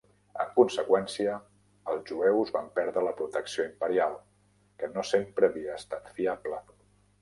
En conseqüència, els jueus van perdre la protecció imperial, que no sempre havia estat fiable.